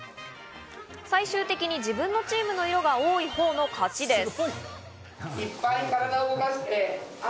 最終的に自分のチームの色が多いほうの勝ちです。